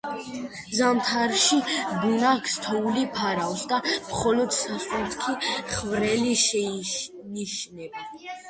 ზამთარში ბუნაგს თოვლი ფარავს და მხოლოდ სასუნთქი ხვრელი შეინიშნება.